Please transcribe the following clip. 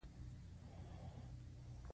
هغه وايي چې ځمکې زما شخصي ملکیت دی